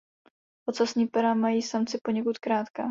Ocasní pera mají samci poněkud krátká.